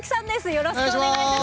よろしくお願いします。